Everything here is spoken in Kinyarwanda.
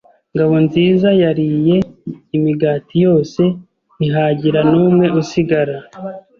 Ngabonzizayariye imigati yose, ntihagira n'umwe usigara.